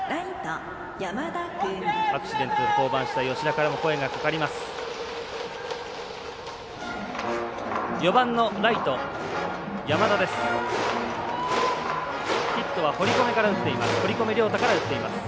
アクシデントで降板した吉田からも声がかかりました。